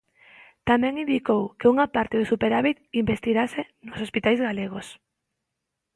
Tamén indicou que "unha parte do superávit investirase nos hospitais galegos".